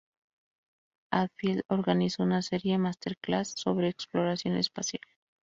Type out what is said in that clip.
Hadfield organizó una serie MasterClass sobre exploración espacial.